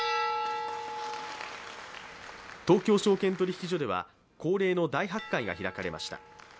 東京証券取引所では恒例の大発会が開かれました。